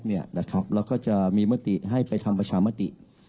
แล้วก็จะมีมติให้ไปทำประชามติ